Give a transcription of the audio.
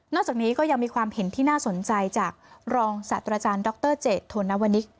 จากนี้ก็ยังมีความเห็นที่น่าสนใจจากรองศาสตราจารย์ดรเจตโธนวนิก